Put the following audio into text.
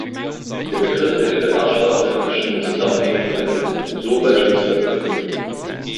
Der Begriff wird in der Fachsprache in verschiedenen Zusammenhängen verwendet, so beispielsweise für